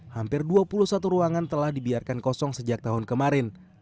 hampir dua puluh satu ruangan telah dibiarkan kosong sejak tahun kemarin